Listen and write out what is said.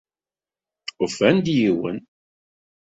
Ufan-d yiwen.